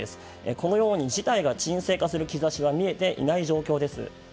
このように事態が鎮静化する兆しが見えていない状況です。